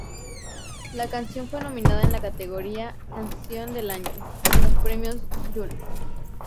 La canción fue nominada en la categoría "Canción del año" en los Premios Juno.